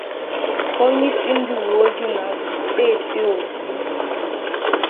onyeisi ndị uweojii na steeti Ogun